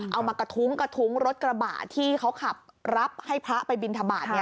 มากระทุ้งกระทุ้งรถกระบะที่เขาขับรับให้พระไปบินทบาท